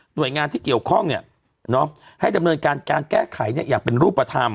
หน่วยงานที่เกี่ยวข้องเนี่ยเนอะให้ดำเนินการการแก้ไขเนี่ยอย่างเป็นรูปธรรม